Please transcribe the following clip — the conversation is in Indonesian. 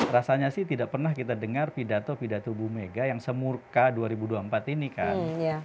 rasanya sih tidak pernah kita dengar pidato pidato bu mega yang semurka dua ribu dua puluh empat ini kan